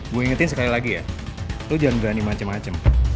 gua ingetin sekali lagi ya lu jangan berani macem macem